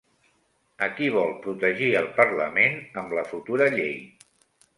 A qui vol protegir el parlament amb la futura llei?